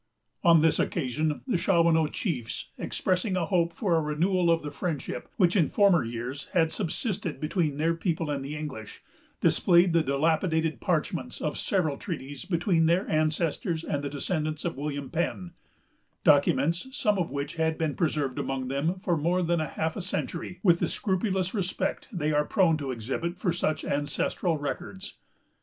On this occasion, the Shawanoe chiefs, expressing a hope for a renewal of the friendship which in former years had subsisted between their people and the English, displayed the dilapidated parchments of several treaties made between their ancestors and the descendants of William Penn,——documents, some of which had been preserved among them for more than half a century, with the scrupulous respect they are prone to exhibit for such ancestral records.